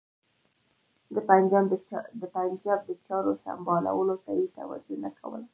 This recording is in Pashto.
د پنجاب د چارو سمبالولو ته یې توجه نه کوله.